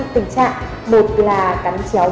tình trạng một là cắn chéo